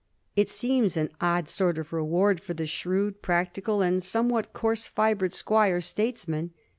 It seems an odd sort of reward for the shrewd, practical, and somewhat coarse j&bred squire statesman.